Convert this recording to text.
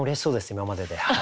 今までで。